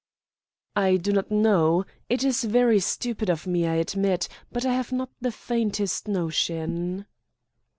"I do not know. It is very stupid of me, I admit, but I have not the faintest notion."